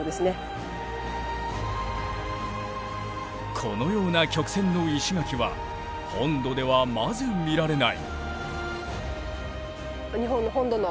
このような曲線の石垣は本土ではまず見られない。